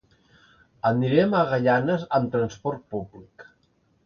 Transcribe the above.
Anirem a Gaianes amb transport públic.